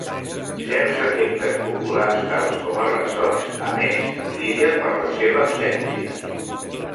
Certs efectes populars tals com a ressons, a més, brillen per la seva absència.